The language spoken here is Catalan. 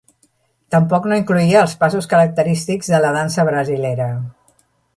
Tampoc no incloïa els passos característics de la dansa brasilera.